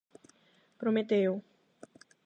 Prometeo.